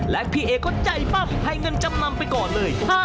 และพี่เอก็ใจปั้มให้เงินจำนำไปก่อนเลย